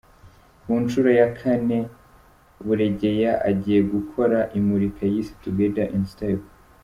Ku nshuro ya kane Buregeya agiye gukora imurika yise Together in Step.